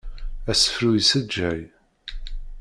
Asefru issejjay.